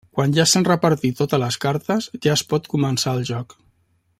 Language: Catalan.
Quan ja s'han repartit totes les cartes, ja es pot començar el joc.